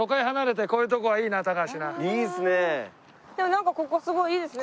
なんかここすごいいいですね。